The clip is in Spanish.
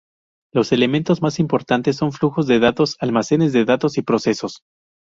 Los elementos más importantes son flujos de datos, almacenes de datos y procesos.